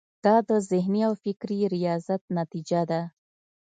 دا د ذهني او فکري ریاضت نتیجه ده.